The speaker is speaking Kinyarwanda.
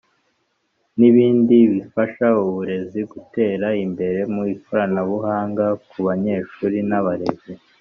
n’ibindi bifasha uburezi gutera imbere mu ikoranabuhanga ku banyeshuri n’abarezi